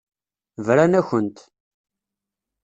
Bran-akent.